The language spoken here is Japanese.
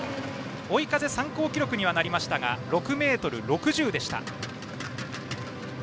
追い風参考記録にはなりましたが６ｍ６０でした。